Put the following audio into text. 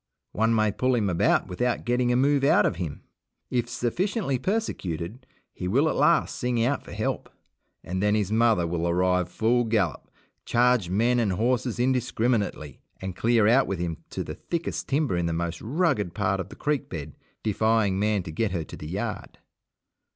One may pull him about without getting a move out of him. If sufficiently persecuted he will at last sing out for help, and then his mother will arrive full gallop, charge men and horses indiscriminately, and clear out with him to the thickest timber in the most rugged part of the creek bed, defying man to get her to the yard.